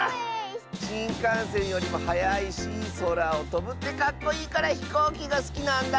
しんかんせんよりもはやいしそらをとぶってかっこいいからひこうきがすきなんだ。